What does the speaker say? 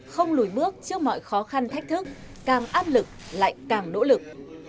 không lùi bước trước mọi khó khăn thách thức càng áp lực lại càng nỗ lực